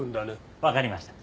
わかりました。